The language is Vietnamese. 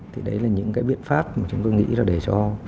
thì đấy là những cái biện pháp mà chúng tôi nghĩ là để cho